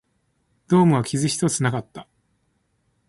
ドームは傷一つなかった